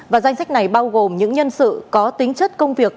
và danh sách này bao gồm những nhân sự có tính chất công việc